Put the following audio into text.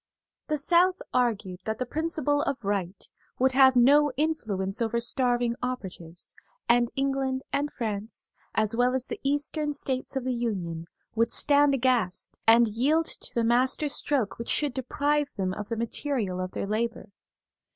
The South argued that the principle of right would have no influence over starving operatives; and England and France, as well as the Eastern States of the Union, would stand aghast, and yield to the master stroke which should deprive them of the material of their labor.